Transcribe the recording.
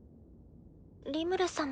リムル様。